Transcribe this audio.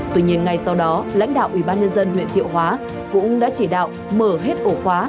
tuy nhiên ngay sau đó lãnh đạo ủy ban nhân dân huyện thiệu hóa cũng đã chỉ đạo mở hết ổ khóa